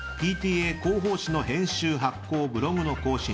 ＰＴＡ広報誌の編集、発行、ブログの更新